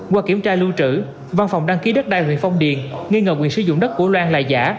qua kiểm tra lưu trữ văn phòng đăng ký đất đai huyện phong điền nghi ngờ quyền sử dụng đất của loan là giả